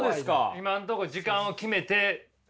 今んとこ時間を決めてやってる。